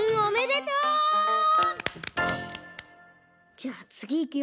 じゃあつぎいくよ。